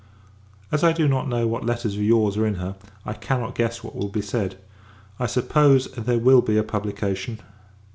As I do not know what letters of your's are in her, I cannot guess what will be said. I suppose, there will be a publication.